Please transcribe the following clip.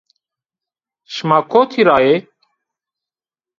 Şima kotî ra yê?